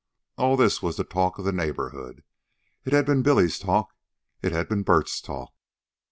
All this was the talk of the neighborhood. It had been Billy's talk. It had been Bert's talk.